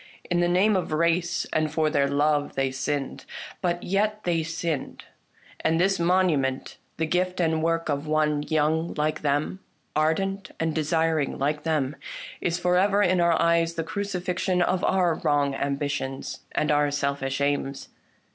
In the name of race and for their love they sinned. But yet they sinned ; and this monument, the gift and work of one young like them, ardent and desiring like them, is for ever in our eyes the cruci fixion of our wrong ambitions and our selfish aims.